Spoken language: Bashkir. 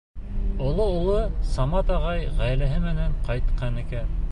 Оло улы, Самат ағай, ғаиләһе менән ҡайтҡан икән.